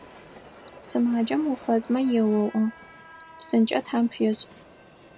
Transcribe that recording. Сымаджэм уфэзмэ еоӀо: «ПсынкӀэ Тхьэм пфешӀ!».